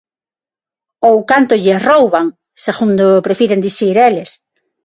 Ou canto lles rouban, segundo prefiren dicir eles.